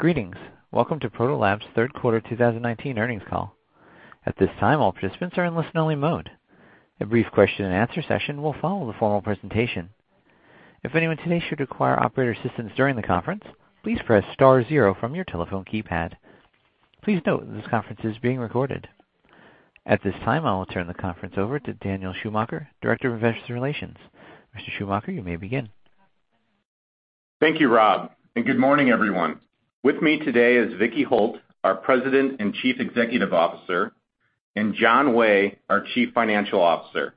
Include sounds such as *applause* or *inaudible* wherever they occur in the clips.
Greetings. Welcome to Proto Labs' third quarter 2019 earnings call. At this time, all participants are in listen-only mode. A brief question and answer session will follow the formal presentation. If anyone today should require operator assistance during the conference, please press star zero from your telephone keypad. Please note that this conference is being recorded. At this time, I will turn the conference over to Dan Schumacher, Director of Investor Relations. Mr. Schumacher, you may begin. Thank you, Rob, and good morning, everyone. With me today is Vickie Holt, our President and Chief Executive Officer, and John Way, our Chief Financial Officer.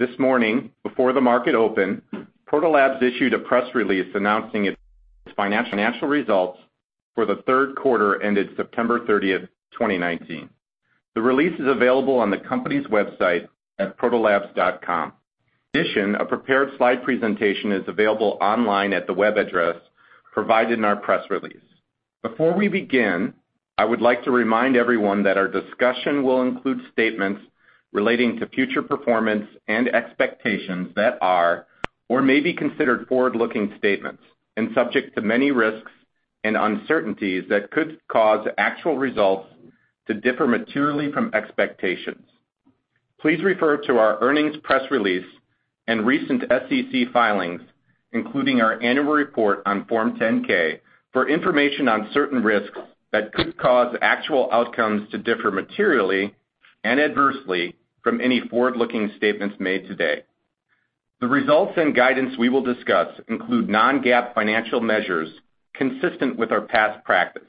This morning, before the market open, Proto Labs issued a press release announcing its financial results for the third quarter ended September 30th, 2019. The release is available on the company's website at protolabs.com. In addition, a prepared slide presentation is available online at the web address provided in our press release. Before we begin, I would like to remind everyone that our discussion will include statements relating to future performance and expectations that are or may be considered forward-looking statements and subject to many risks and uncertainties that could cause actual results to differ materially from expectations. Please refer to our earnings press release and recent SEC filings, including our annual report on Form 10-K, for information on certain risks that could cause actual outcomes to differ materially and adversely from any forward-looking statements made today. The results and guidance we will discuss include non-GAAP financial measures consistent with our past practice.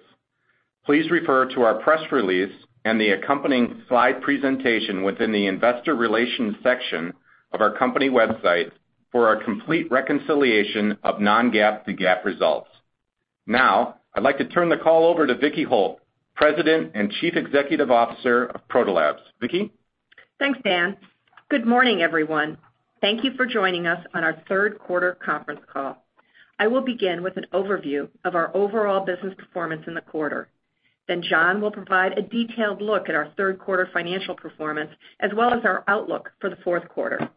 Please refer to our press release and the accompanying slide presentation within the investor relations section of our company website for a complete reconciliation of non-GAAP to GAAP results. Now, I'd like to turn the call over to Vickie Holt, President and Chief Executive Officer of Proto Labs. Vickie? Thanks, Dan. Good morning, everyone. Thank you for joining us on our third quarter conference call. I will begin with an overview of our overall business performance in the quarter. John will provide a detailed look at our third quarter financial performance, as well as our outlook for the fourth quarter.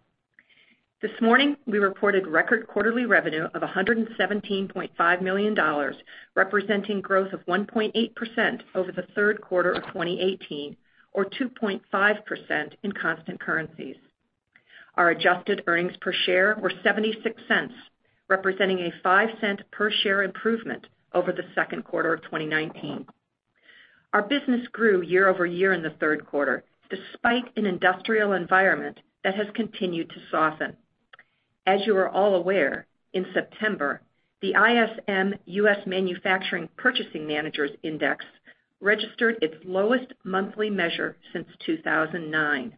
This morning, we reported record quarterly revenue of $117.5 million, representing growth of 1.8% over the third quarter of 2018, or 2.5% in constant currencies. Our adjusted earnings per share were $0.76, representing a $0.05 per share improvement over the second quarter of 2019. Our business grew year-over-year in the third quarter, despite an industrial environment that has continued to soften. As you are all aware, in September, the ISM U.S. Manufacturing Purchasing Managers' Index registered its lowest monthly measure since 2009.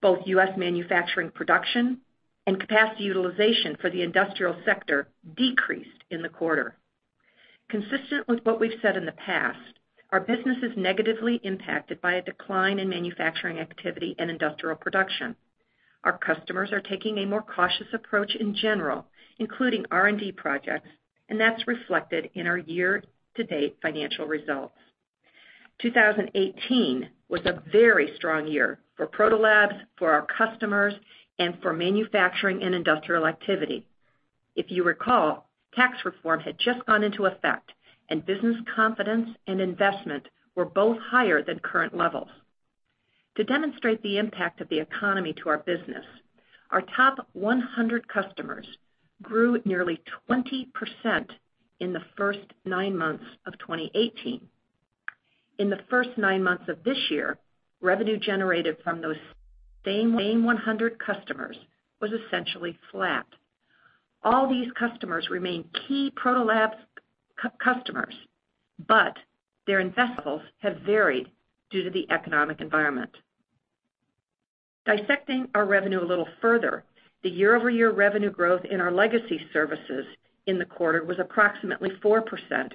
Both U.S. manufacturing production and capacity utilization for the industrial sector decreased in the quarter. Consistent with what we've said in the past, our business is negatively impacted by a decline in manufacturing activity and industrial production. Our customers are taking a more cautious approach in general, including R&D projects, and that's reflected in our year-to-date financial results. 2018 was a very strong year for Proto Labs, for our customers, and for manufacturing and industrial activity. If you recall, tax reform had just gone into effect, and business confidence and investment were both higher than current levels. To demonstrate the impact of the economy to our business, our top 100 customers grew nearly 20% in the first nine months of 2018. In the first nine months of this year, revenue generated from those same 100 customers was essentially flat. All these customers remain key Proto Labs customers, but their investment levels have varied due to the economic environment. Dissecting our revenue a little further, the year-over-year revenue growth in our legacy services in the quarter was approximately 4%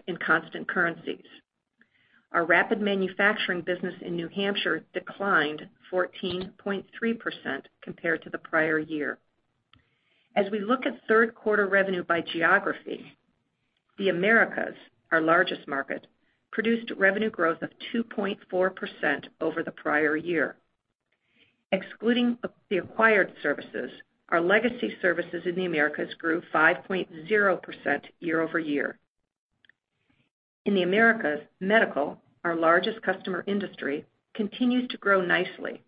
in constant currencies. Our Rapid Manufacturing business in New Hampshire declined 14.3% compared to the prior year. As we look at third quarter revenue by geography, the Americas, our largest market, produced revenue growth of 2.4% over the prior year. Excluding the acquired services, our legacy services in the Americas grew 5.0% year-over-year. In the Americas, medical, our largest customer industry, continues to grow nicely,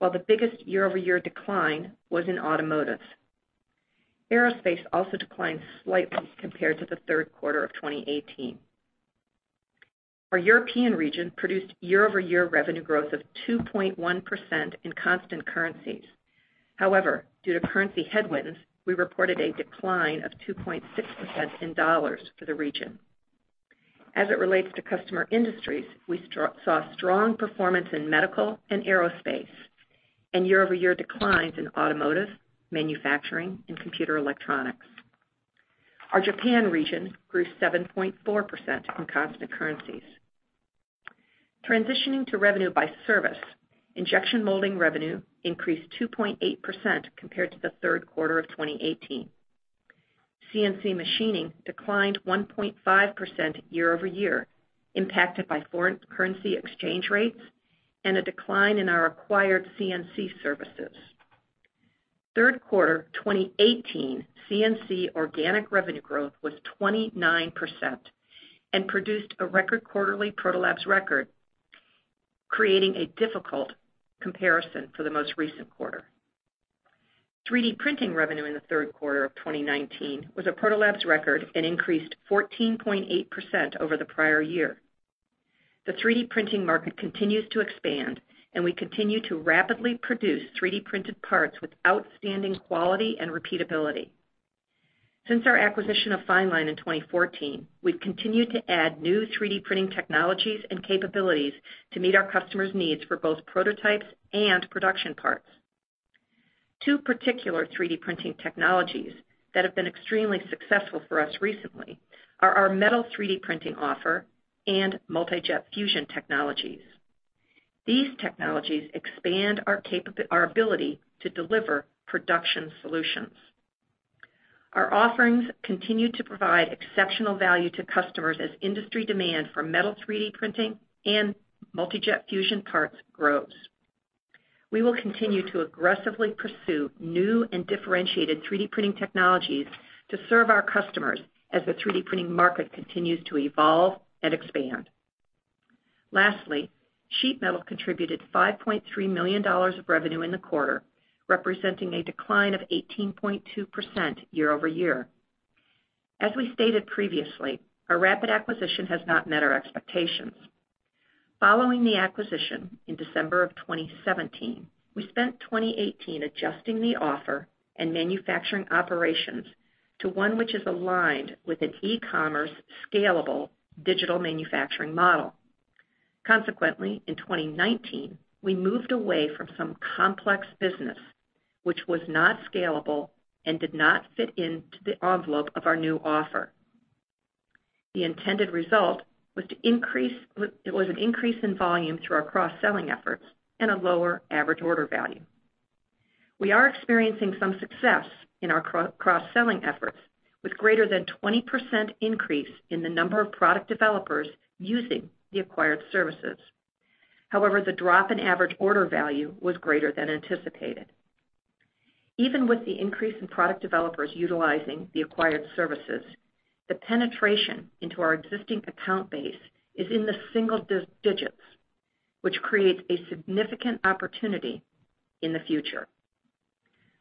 while the biggest year-over-year decline was in automotive. Aerospace also declined slightly compared to the third quarter of 2018. Our European region produced year-over-year revenue growth of 2.1% in constant currencies. However, due to currency headwinds, we reported a decline of 2.6% in dollars for the region. As it relates to customer industries, we saw strong performance in medical and aerospace, and year-over-year declines in automotive, manufacturing, and computer electronics. Our Japan region grew 7.4% in constant currencies. Transitioning to revenue by service, Injection Molding revenue increased 2.8% compared to the third quarter of 2018. CNC Machining declined 1.5% year-over-year, impacted by foreign currency exchange rates and a decline in our acquired CNC services. Third quarter 2018 CNC organic revenue growth was 29% and produced a record quarterly Proto Labs record, creating a difficult comparison for the most recent quarter. 3D Printing revenue in the third quarter of 2019 was a Proto Labs record and increased 14.8% over the prior year. The 3D Printing market continues to expand, and we continue to rapidly produce 3D-printed parts with outstanding quality and repeatability. Since our acquisition of FineLine in 2014, we've continued to add new 3D Printing technologies and capabilities to meet our customers' needs for both prototypes and production parts. Two particular 3D Printing technologies that have been extremely successful for us recently are our metal 3D Printing offer and Multi Jet Fusion technologies. These technologies expand our ability to deliver production solutions. Our offerings continue to provide exceptional value to customers as industry demand for metal 3D Printing and Multi Jet Fusion parts grows. We will continue to aggressively pursue new and differentiated 3D Printing technologies to serve our customers as the 3D Printing market continues to evolve and expand. Lastly, Sheet Metal contributed $5.3 million of revenue in the quarter, representing a decline of 18.2% year-over-year. As we stated previously, our Rapid acquisition has not met our expectations. Following the acquisition in December of 2017, we spent 2018 adjusting the offer and manufacturing operations to one which is aligned with an e-commerce scalable digital manufacturing model. Consequently, in 2019, we moved away from some complex business, which was not scalable and did not fit into the envelope of our new offer. The intended result was an increase in volume through our cross-selling efforts and a lower average order value. We are experiencing some success in our cross-selling efforts, with greater than 20% increase in the number of product developers using the acquired services. However, the drop in average order value was greater than anticipated. Even with the increase in product developers utilizing the acquired services, the penetration into our existing account base is in the single digits, which creates a significant opportunity in the future.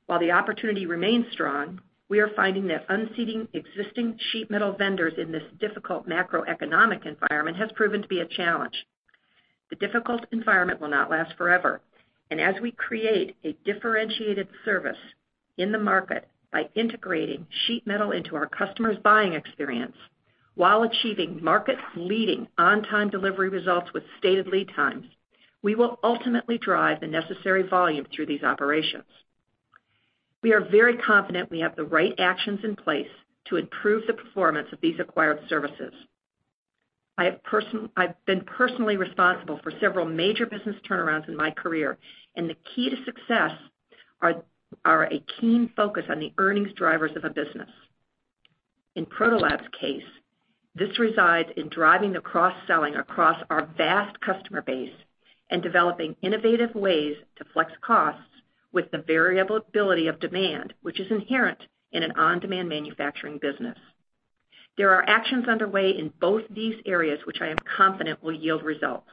While the opportunity remains strong, we are finding that unseating existing Sheet Metal vendors in this difficult macroeconomic environment has proven to be a challenge. The difficult environment will not last forever, as we create a differentiated service in the market by integrating Sheet Metal into our customers' buying experience while achieving market-leading on-time delivery results with stated lead times, we will ultimately drive the necessary volume through these operations. We are very confident we have the right actions in place to improve the performance of these acquired services. I've been personally responsible for several major business turnarounds in my career, and the key to success are a keen focus on the earnings drivers of a business. In Proto Labs case, this resides in driving the cross-selling across our vast customer base and developing innovative ways to flex costs with the variability of demand, which is inherent in an on-demand manufacturing business. There are actions underway in both these areas, which I am confident will yield results.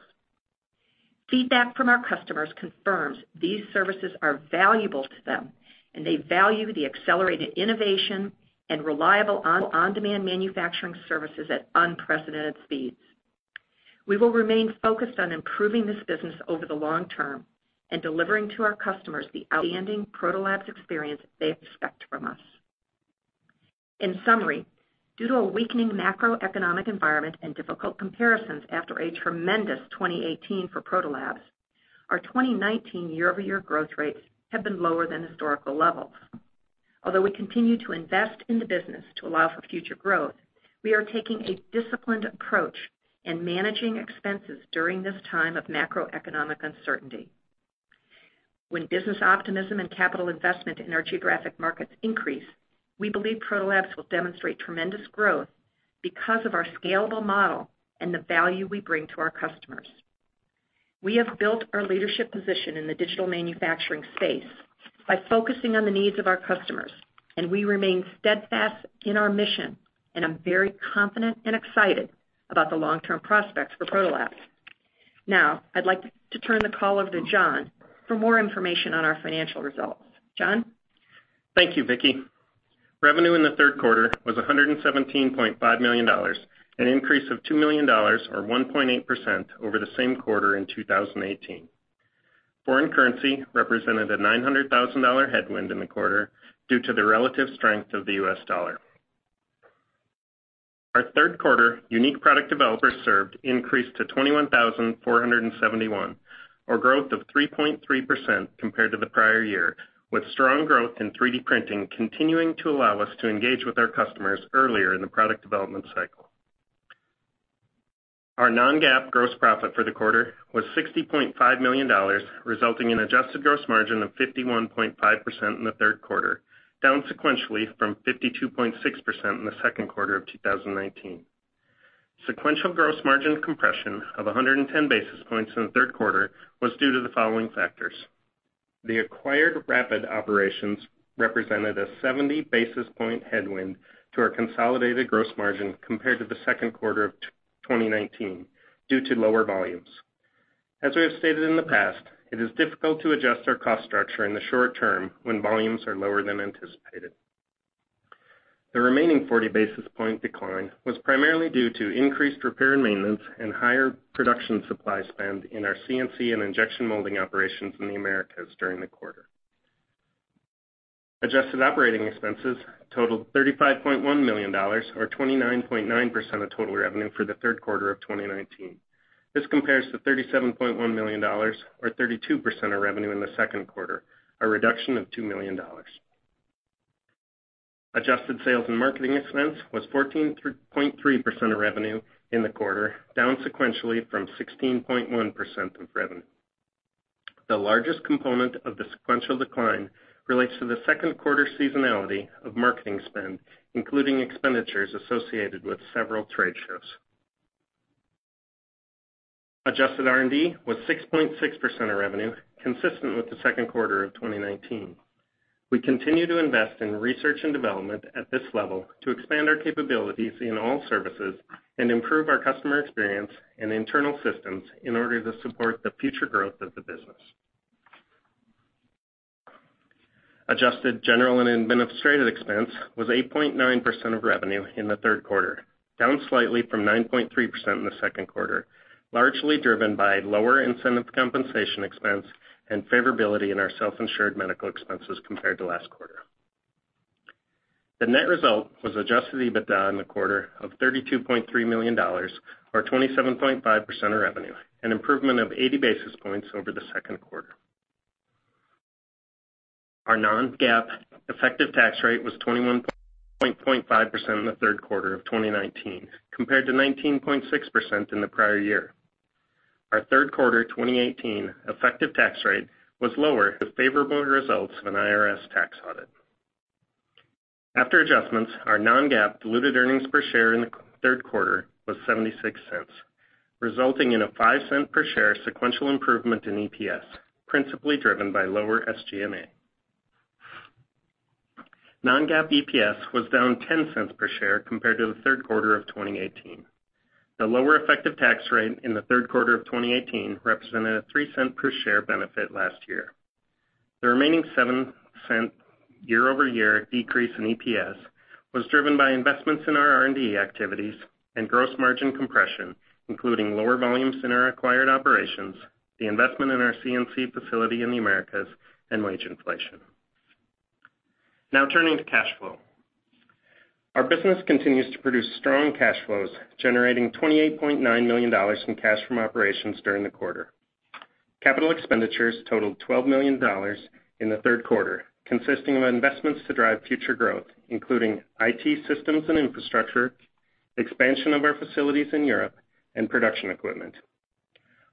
Feedback from our customers confirms these services are valuable to them, and they value the accelerated innovation and reliable on-demand manufacturing services at unprecedented speeds. We will remain focused on improving this business over the long term and delivering to our customers the outstanding Proto Labs experience they expect from us. In summary, due to a weakening macroeconomic environment and difficult comparisons after a tremendous 2018 for Proto Labs, our 2019 year-over-year growth rates have been lower than historical levels. Although we continue to invest in the business to allow for future growth, we are taking a disciplined approach in managing expenses during this time of macroeconomic uncertainty. When business optimism and capital investment in our geographic markets increase, we believe Proto Labs will demonstrate tremendous growth because of our scalable model and the value we bring to our customers. We have built our leadership position in the digital manufacturing space by focusing on the needs of our customers, and we remain steadfast in our mission, and I'm very confident and excited about the long-term prospects for Proto Labs. Now, I'd like to turn the call over to John for more information on our financial results. John? Thank you, Vickie. Revenue in the third quarter was $117.5 million, an increase of $2 million or 1.8% over the same quarter in 2018. Foreign currency represented a $900,000 headwind in the quarter due to the relative strength of the US dollar. Our third quarter unique product developers served increased to 21,471 or growth of 3.3% compared to the prior year, with strong growth in 3D Printing continuing to allow us to engage with our customers earlier in the product development cycle. Our non-GAAP gross profit for the quarter was $60.5 million, resulting in adjusted gross margin of 51.5% in the third quarter, down sequentially from 52.6% in the second quarter of 2019. Sequential gross margin compression of 110 basis points in the third quarter was due to the following factors. The acquired rapid operations represented a 70 basis point headwind to our consolidated gross margin compared to the second quarter of 2019 due to lower volumes. As we have stated in the past, it is difficult to adjust our cost structure in the short term when volumes are lower than anticipated. The remaining 40 basis point decline was primarily due to increased repair and maintenance and higher production supply spend in our CNC and Injection Molding operations in the Americas during the quarter. Adjusted operating expenses totaled $35.1 million, or 29.9% of total revenue for the third quarter of 2019. This compares to $37.1 million, or 32% of revenue in the second quarter, a reduction of $2 million. Adjusted sales and marketing expense was 14.3% of revenue in the quarter, down sequentially from 16.1% of revenue. The largest component of the sequential decline relates to the second quarter seasonality of marketing spend, including expenditures associated with several trade shows. Adjusted R&D was 6.6% of revenue, consistent with the second quarter of 2019. We continue to invest in research and development at this level to expand our capabilities in all services and improve our customer experience and internal systems in order to support the future growth of the business. Adjusted general and administrative expense was 8.9% of revenue in the third quarter, down slightly from 9.3% in the second quarter, largely driven by lower incentive compensation expense and favorability in our self-insured medical expenses compared to last quarter. The net result was adjusted EBITDA in the quarter of $32.3 million, or 27.5% of revenue, an improvement of 80 basis points over the second quarter. Our non-GAAP effective tax rate was 21.5% in the third quarter of 2019, compared to 19.6% in the prior year. Our third quarter 2018 effective tax rate was lower with favorable results of an IRS tax audit. After adjustments, our non-GAAP diluted earnings per share in the third quarter was $0.76, resulting in a $0.05 per share sequential improvement in EPS, principally driven by lower SG&A. Non-GAAP EPS was down $0.10 per share compared to the third quarter of 2018. The lower effective tax rate in the third quarter of 2018 represented a $0.03 per share benefit last year. The remaining $0.07 year-over-year decrease in EPS was driven by investments in our R&D activities and gross margin compression, including lower volumes in our acquired operations, the investment in our CNC facility in the Americas, and wage inflation. Now turning to cash flow. Our business continues to produce strong cash flows, generating $28.9 million in cash from operations during the quarter. Capital expenditures totaled $12 million in the third quarter, consisting of investments to drive future growth, including IT systems and infrastructure, expansion of our facilities in Europe, and production equipment.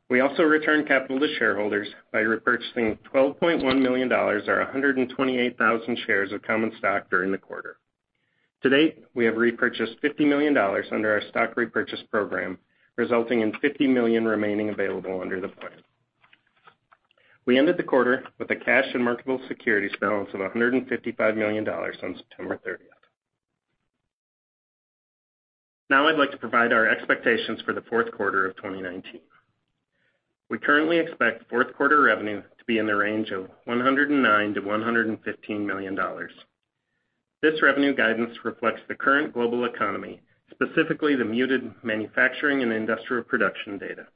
We also returned capital to shareholders by repurchasing $12.1 million, or 128,000 shares of common stock during the quarter. To date, we have repurchased $50 million under our stock repurchase program, resulting in $50 million remaining available under the plan. We ended the quarter with a cash and marketable securities balance of $155 million on September 30th. Now I'd like to provide our expectations for the fourth quarter of 2019. We currently expect fourth quarter revenue to be in the range of $109 to $115 million. This revenue guidance reflects the current global economy, specifically the muted manufacturing and industrial production data.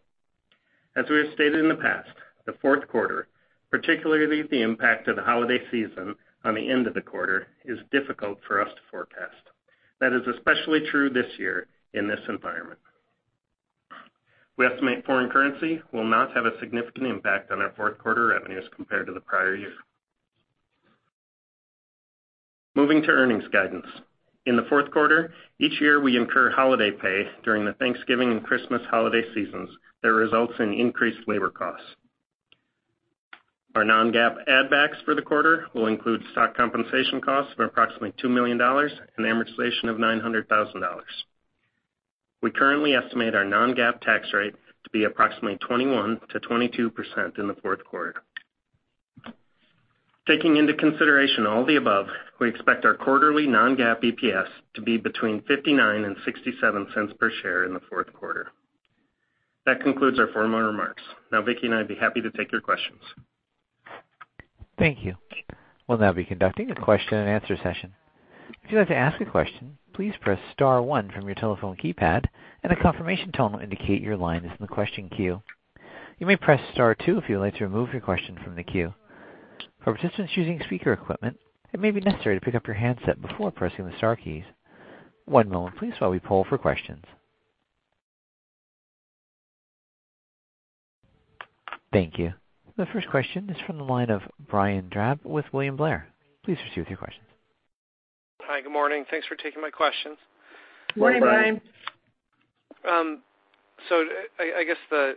As we have stated in the past, the fourth quarter, particularly the impact of the holiday season on the end of the quarter, is difficult for us to forecast. That is especially true this year in this environment. We estimate foreign currency will not have a significant impact on our fourth quarter revenues compared to the prior year. Moving to earnings guidance. In the fourth quarter, each year we incur holiday pay during the Thanksgiving and Christmas holiday seasons that results in increased labor costs. Our non-GAAP add backs for the quarter will include stock compensation costs of approximately $2 million and amortization of $900,000. We currently estimate our non-GAAP tax rate to be approximately 21%-22% in the fourth quarter. Taking into consideration all the above, we expect our quarterly non-GAAP EPS to be between $0.59 and $0.67 per share in the fourth quarter. That concludes our formal remarks. Now, Vickie and I'd be happy to take your questions. Thank you. We'll now be conducting a question and answer session. If you'd like to ask a question, please press star one from your telephone keypad and a confirmation tone will indicate your line is in the question queue. You may press star two if you would like to remove your question from the queue. For participants using speaker equipment, it may be necessary to pick up your handset before pressing the star keys. One moment please while we poll for questions. Thank you. The first question is from the line of Brian Drab with William Blair. Please proceed with your questions. Hi. Good morning. Thanks for taking my questions. Good morning. I guess the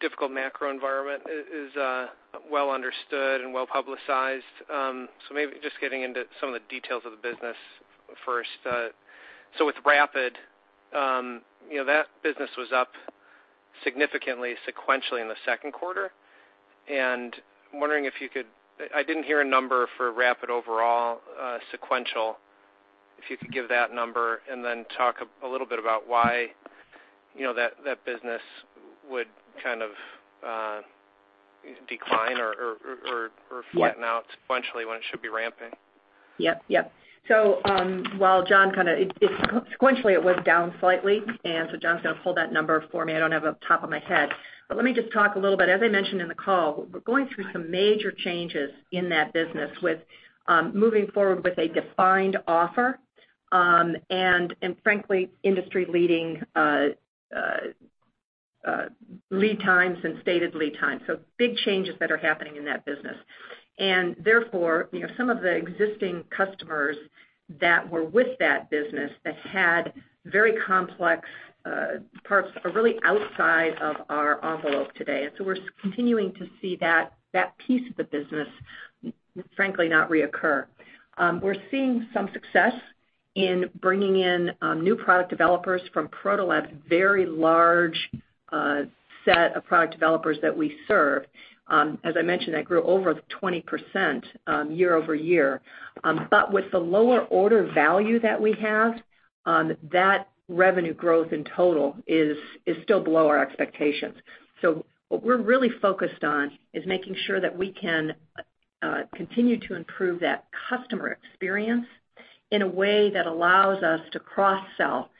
difficult macro environment is well understood and well-publicized. Maybe just getting into some of the details of the business first. With Rapid, that business was up significantly sequentially in the second quarter, and I'm wondering if you could I didn't hear a number for Rapid overall sequential, if you could give that number and then talk a little bit about why that business would kind of decline or flatten out sequentially when it should be ramping. Yep. While John sequentially it was down slightly, John's going to pull that number for me. I don't have it off the top of my head. Let me just talk a little bit. As I mentioned in the call, we're going through some major changes in that business with moving forward with a defined offer, and frankly, industry-leading lead times and stated lead times. Big changes that are happening in that business. Therefore, some of the existing customers that were with that business that had very complex parts are really outside of our envelope today. We're continuing to see that piece of the business, frankly, not reoccur. We're seeing some success in bringing in new product developers from Proto Labs, a very large set of product developers that we serve. As I mentioned, that grew over 20% year-over-year. With the lower order value that we have, that revenue growth in total is still below our expectations. What we're really focused on is making sure that we can continue to improve that customer experience in a way that allows us to cross-sell.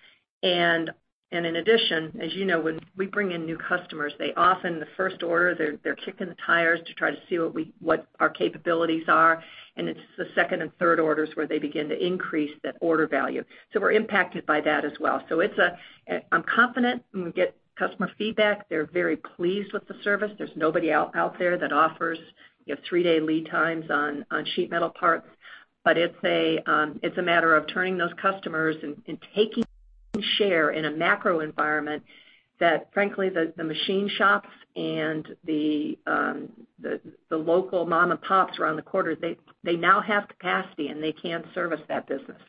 In addition, as you know, when we bring in new customers, they often, the first order, they're kicking the tires to try to see what our capabilities are. It's the second and third orders where they begin to increase that order value. We're impacted by that as well. I'm confident when we get customer feedback, they're very pleased with the service. There's nobody out there that offers three-day lead times on Sheet Metal parts. It's a matter of turning those customers and taking share in a macro environment that, frankly, the machine shops and the local mom and pops around the corner, they now have capacity, and they can't service that business.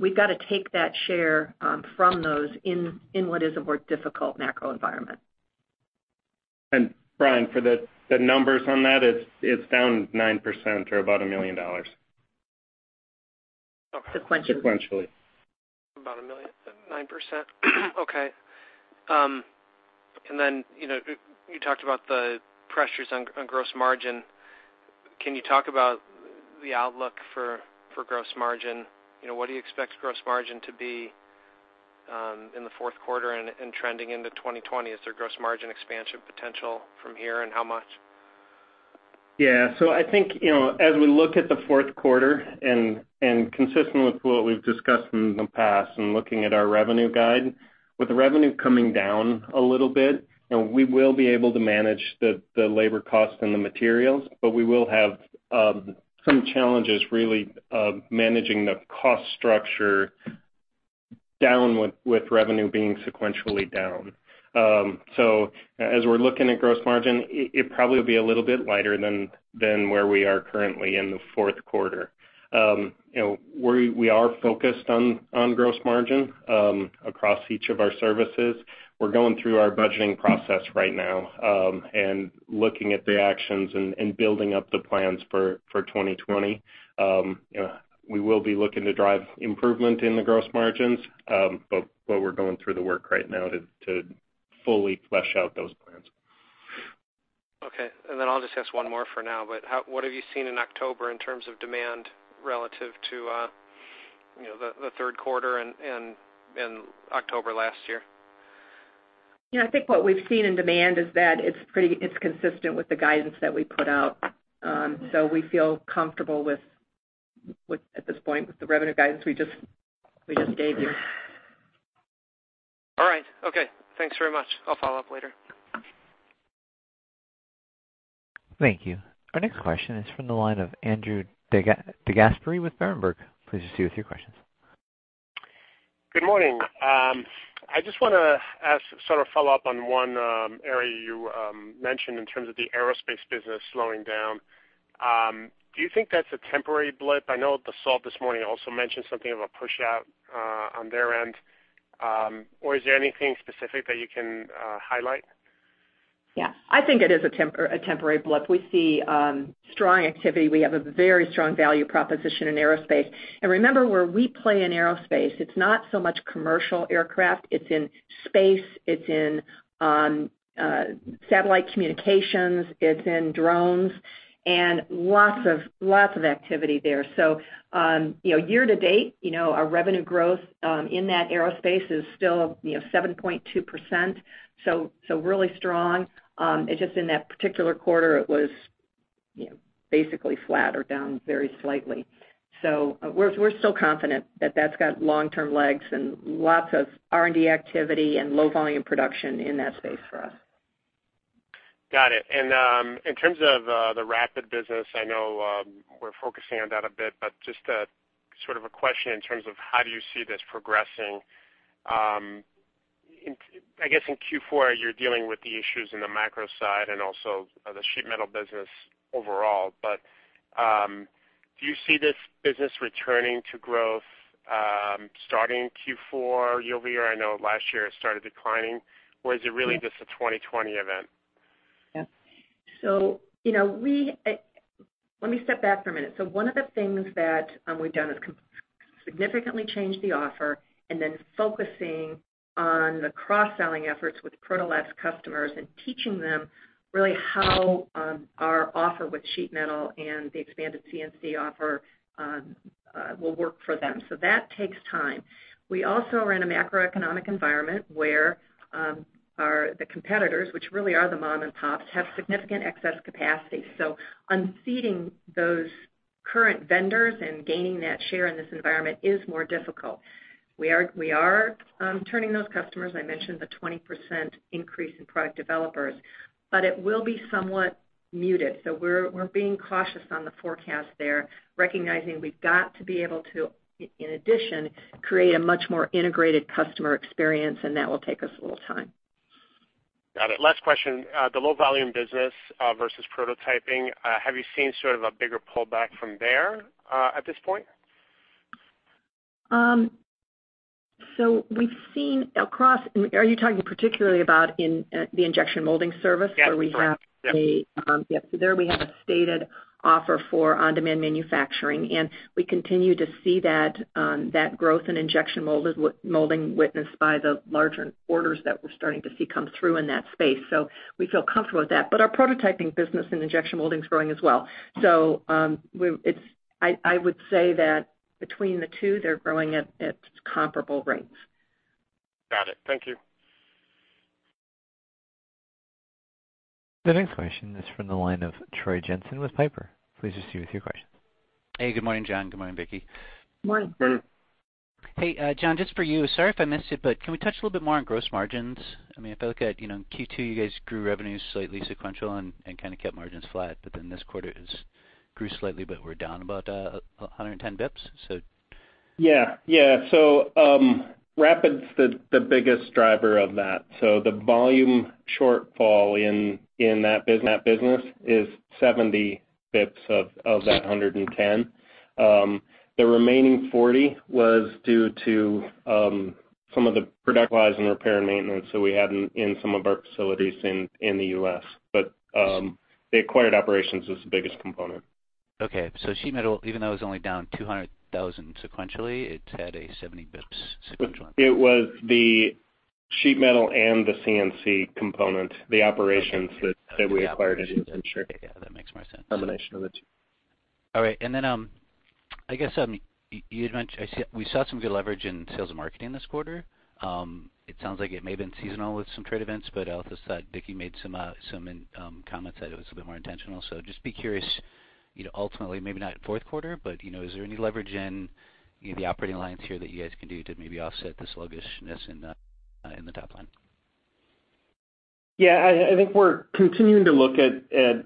We've got to take that share from those in what is a more difficult macro environment. Brian, for the numbers on that, it's down 9% or about $1 million. Sequentially. Sequentially. About $1 million, 9%. Okay. You talked about the pressures on gross margin. Can you talk about the outlook for gross margin? What do you expect gross margin to be in the fourth quarter and trending into 2020? Is there gross margin expansion potential from here, and how much? Yeah. I think, as we look at the fourth quarter and consistent with what we've discussed in the past and looking at our revenue guide, with the revenue coming down a little bit, we will be able to manage the labor cost and the materials, but we will have some challenges really managing the cost structure down with revenue being sequentially down. As we're looking at gross margin, it probably will be a little bit lighter than where we are currently in the fourth quarter. We are focused on gross margin across each of our services. We're going through our budgeting process right now, and looking at the actions and building up the plans for 2020. We will be looking to drive improvement in the gross margins, but we're going through the work right now to fully flesh out those plans. I'll just ask one more for now, but what have you seen in October in terms of demand relative to the third quarter and October last year? Yeah, I think what we've seen in demand is that it's consistent with the guidance that we put out. We feel comfortable at this point with the revenue guidance we just gave you. All right. Okay. Thanks very much. I'll follow up later. Thank you. Our next question is from the line of Andrew DeGasperi with Berenberg. Please proceed with your questions. Good morning. I just want to ask, sort of follow up on one area you mentioned in terms of the aerospace business slowing down. Do you think that's a temporary blip? I know Dassault this morning also mentioned something of a push out on their end. Is there anything specific that you can highlight? Yeah. I think it is a temporary blip. We see strong activity. We have a very strong value proposition in aerospace. Remember where we play in aerospace, it's not so much commercial aircraft. It's in space, it's in satellite communications, it's in drones, and lots of activity there. Year to date, our revenue growth in that aerospace is still 7.2%, so really strong. It's just in that particular quarter, it was basically flat or down very slightly. We're still confident that that's got long-term legs and lots of R&D activity and low volume production in that space for us. Got it. In terms of the Rapid business, I know we're focusing on that a bit, but just a question in terms of how do you see this progressing. I guess in Q4, you're dealing with the issues in the macro side and also the Sheet Metal business overall, but do you see this business returning to growth starting Q4 year-over-year? I know last year it started declining. Is it really just a 2020 event? Yeah. Let me step back for a minute. One of the things that we've done is significantly change the offer and then focusing on the cross-selling efforts with Proto Labs customers and teaching them really how our offer with Sheet Metal and the expanded CNC offer will work for them. That takes time. We also are in a macroeconomic environment where the competitors, which really are the mom and pops, have significant excess capacity. Unseating those current vendors and gaining that share in this environment is more difficult. We are turning those customers. I mentioned the 20% increase in product developers. It will be somewhat muted, so we're being cautious on the forecast there, recognizing we've got to be able to, in addition, create a much more integrated customer experience, and that will take us a little time. Got it. Last question. The low volume business versus prototyping, have you seen sort of a bigger pullback from there at this point? Are you talking particularly about in the Injection Molding service where we have? Yes. There we have a stated offer for on-demand manufacturing. We continue to see that growth in Injection Molding witnessed by the larger orders that we're starting to see come through in that space. We feel comfortable with that. Our prototyping business and Injection Molding's growing as well. I would say that between the two, they're growing at comparable rates. Got it. Thank you. The next question is from the line of Troy Jensen with Piper. Please proceed with your question. Hey, good morning, John. Good morning, Vickie. Morning. Hey, John, just for you, sorry if I missed it, but can we touch a little bit more on gross margins? If I look at Q2, you guys grew revenues slightly sequential and kind of kept margins flat, but then this quarter it grew slightly, but we're down about 110 basis points. Yeah. Rapid's the biggest driver of that. The volume shortfall in that business is 70 basis points of that 110. The remaining 40 was due to some of the product lines and repair and maintenance that we had in some of our facilities in the U.S. The acquired operations was the biggest component. Okay. Sheet Metal, even though it was only down $200,000 sequentially, it's at a 70 basis points sequential. It was the Sheet Metal and the CNC component, the operations that we. *crosstalk* Yeah, that makes more sense. Combination of the two. We saw some good leverage in sales and marketing this quarter. It sounds like it may have been seasonal with some trade events, but I also thought Vickie made some comments that it was a bit more intentional. Just be curious, ultimately, maybe not in fourth quarter, but is there any leverage in the operating lines here that you guys can do to maybe offset the sluggishness in the top line? I think we're continuing to look at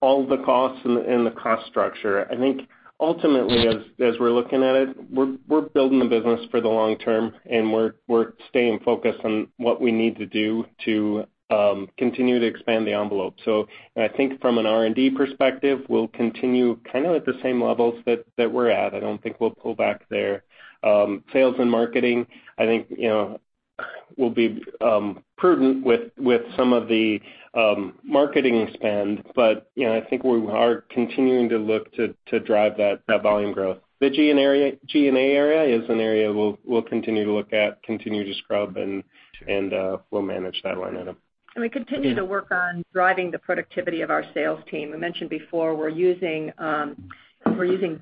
all the costs and the cost structure. I think ultimately as we're looking at it, we're building the business for the long term, and we're staying focused on what we need to do to continue to expand the envelope. I think from an R&D perspective, we'll continue kind of at the same levels that we're at. I don't think we'll pull back there. Sales and marketing, I think we'll be prudent with some of the marketing spend, I think we are continuing to look to drive that volume growth. The G&A area is an area we'll continue to look at, continue to scrub, we'll manage that line item. We continue to work on driving the productivity of our sales team. We mentioned before, we're using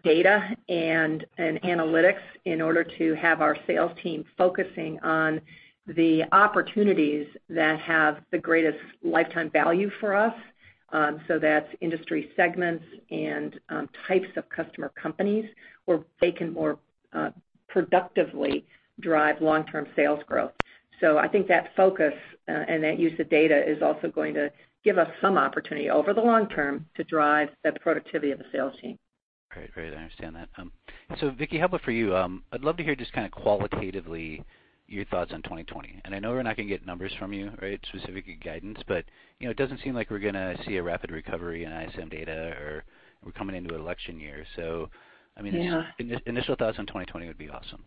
data and analytics in order to have our sales team focusing on the opportunities that have the greatest lifetime value for us. That's industry segments and types of customer companies where they can more productively drive long-term sales growth. I think that focus and that use of data is also going to give us some opportunity over the long term to drive the productivity of the sales team. Great. I understand that. Vickie, how about for you? I'd love to hear just kind of qualitatively your thoughts on 2020. I know we're not going to get numbers from you, right, specific guidance, but it doesn't seem like we're going to see a rapid recovery in ISM data or we're coming into an election year. Initial thoughts on 2020 would be awesome.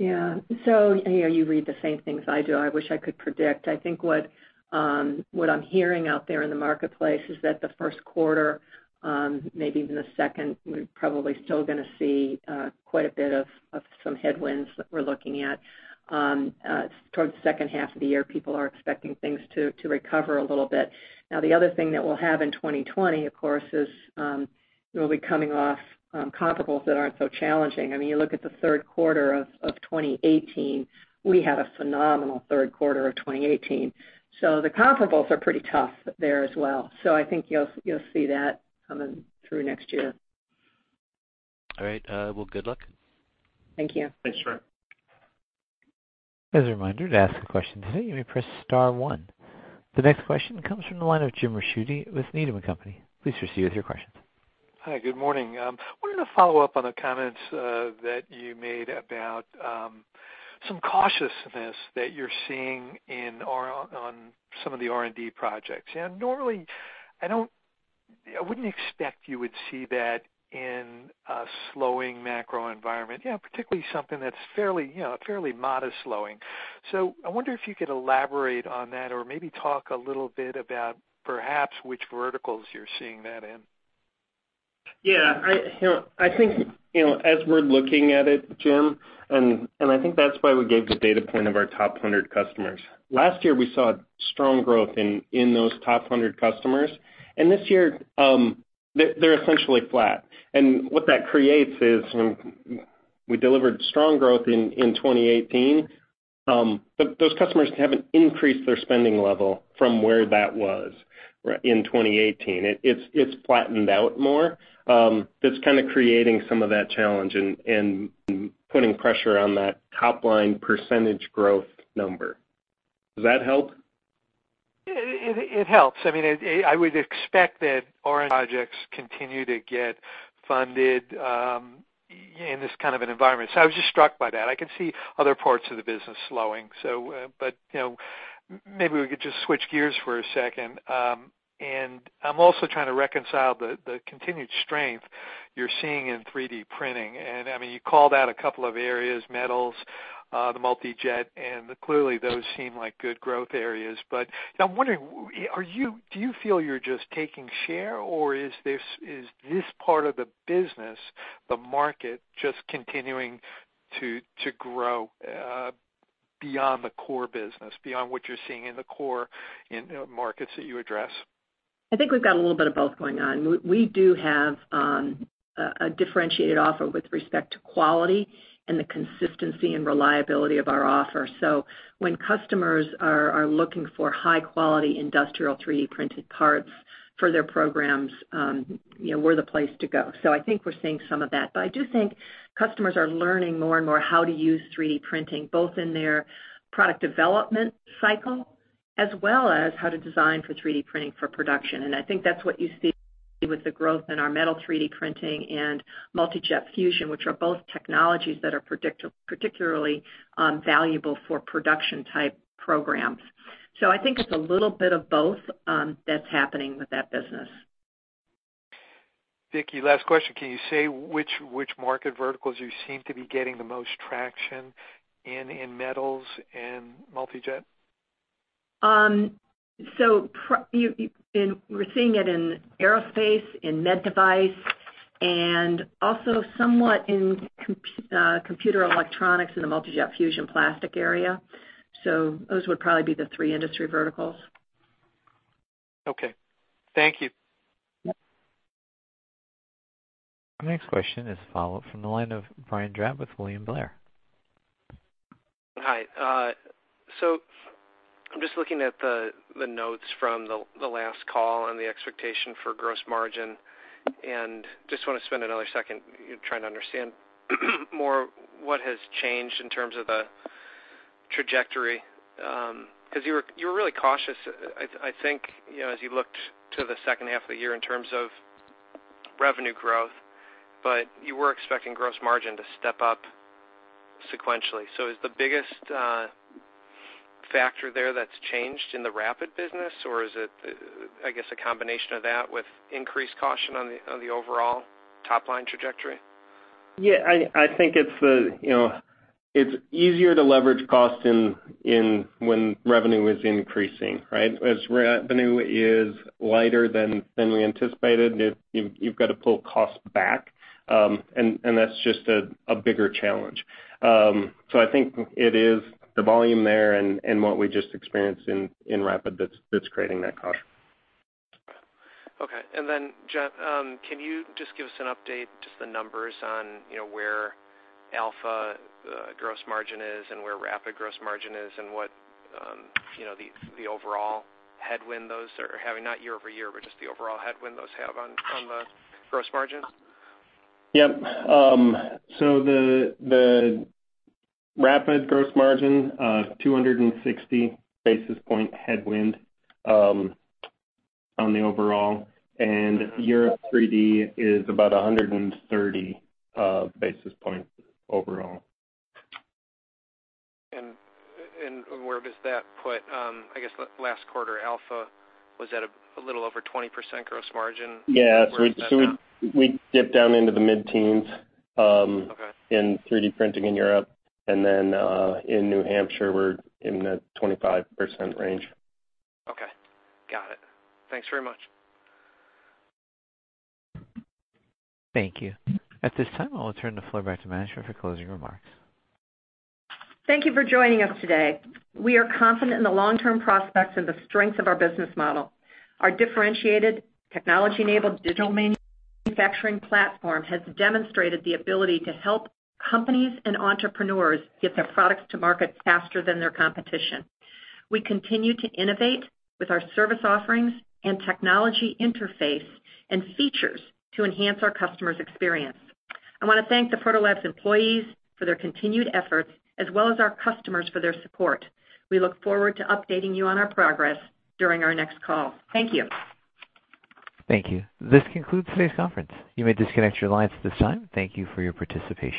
Yeah. You read the same things I do. I wish I could predict. I think what I'm hearing out there in the marketplace is that the first quarter, maybe even the second, we're probably still going to see quite a bit of some headwinds that we're looking at. Towards the second half of the year, people are expecting things to recover a little bit. Now, the other thing that we'll have in 2020, of course, is we'll be coming off comparables that aren't so challenging. You look at the third quarter of 2018, we had a phenomenal third quarter of 2018. The comparables are pretty tough there as well. I think you'll see that coming through next year. All right. Well, good luck. Thank you. Thanks, Troy. As a reminder, to ask a question today, you may press star one. The next question comes from the line of James Ricchiuti with Needham & Company. Please proceed with your questions. Hi, good morning. Wanted to follow up on the comments that you made about some cautiousness that you're seeing on some of the R&D projects. Normally, I wouldn't expect you would see that in a slowing macro environment, particularly something that's fairly modest slowing. I wonder if you could elaborate on that or maybe talk a little bit about perhaps which verticals you're seeing that in. Yeah. I think as we're looking at it, Jim, and I think that's why we gave the data point of our top 100 customers. Last year, we saw strong growth in those top 100 customers, and this year they're essentially flat. What that creates is when we delivered strong growth in 2018, those customers haven't increased their spending level from where that was in 2018. It's flattened out more. That's creating some of that challenge and putting pressure on that top-line percentage growth number. Does that help? It helps. I would expect that our projects continue to get funded in this kind of an environment. I was just struck by that. I can see other parts of the business slowing. Maybe we could just switch gears for a second. I'm also trying to reconcile the continued strength you're seeing in 3D Printing. You called out a couple of areas, metals, the Multi Jet, and clearly those seem like good growth areas. I'm wondering, do you feel you're just taking share, or is this part of the business, the market, just continuing to grow beyond the core business, beyond what you're seeing in the core markets that you address? I think we've got a little bit of both going on. We do have a differentiated offer with respect to quality and the consistency and reliability of our offer. When customers are looking for high-quality industrial 3D printed parts for their programs, we're the place to go. I think we're seeing some of that, but I do think customers are learning more and more how to use 3D Printing, both in their product development cycle, as well as how to design for 3D Printing for production. I think that's what you see with the growth in our metal 3D Printing and Multi Jet Fusion, which are both technologies that are particularly valuable for production type programs. I think it's a little bit of both that's happening with that business. Vickie, last question. Can you say which market verticals you seem to be getting the most traction in metals and Multi Jet? We're seeing it in aerospace, in med device, and also somewhat in computer electronics in the Multi Jet Fusion plastic area. Those would probably be the three industry verticals. Okay. Thank you. Our next question is follow-up from the line of Brian Drab with William Blair. Hi. I'm just looking at the notes from the last call and the expectation for gross margin, and just want to spend another second trying to understand more what has changed in terms of the trajectory. You were really cautious, I think, as you looked to the second half of the year in terms of revenue growth, but you were expecting gross margin to step up sequentially. Is the biggest factor there that's changed in the Rapid business, or is it, I guess, a combination of that with increased caution on the overall top-line trajectory? I think it's easier to leverage cost when revenue is increasing, right? As revenue is lighter than we anticipated, you've got to pull cost back, and that's just a bigger challenge. I think it is the volume there and what we just experienced in Rapid that's creating that caution. Okay. Then, John, can you just give us an update, just the numbers on where Alpha gross margin is and where Rapid gross margin is and what the overall headwind those are having, not year-over-year, but just the overall headwind those have on the gross margin? Yep. The Rapid gross margin, 260 basis point headwind on the overall, and Europe 3D is about 130 basis points overall. Where does that put, I guess, last quarter Alphaform was at a little over 20% gross margin. Yeah. Where is that now? We dipped down into the mid-teens. Okay in 3D printing in Europe. In New Hampshire, we're in the 25% range. Okay. Got it. Thanks very much. Thank you. At this time, I will turn the floor back to management for closing remarks. Thank you for joining us today. We are confident in the long-term prospects and the strength of our business model. Our differentiated technology-enabled digital manufacturing platform has demonstrated the ability to help companies and entrepreneurs get their products to market faster than their competition. We continue to innovate with our service offerings and technology interface and features to enhance our customers' experience. I want to thank the Proto Labs employees for their continued efforts as well as our customers for their support. We look forward to updating you on our progress during our next call. Thank you. Thank you. This concludes today's conference. You may disconnect your lines at this time. Thank you for your participation.